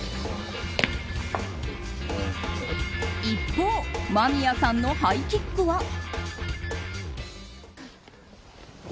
一方間宮さんのハイキックは。